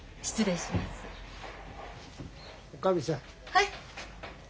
はい。